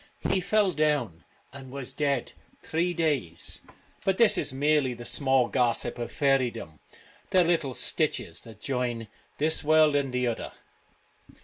' He fell down, and was dead three days.' But this is merely the small gossip of faerydom — the little stitches that join this world and the other.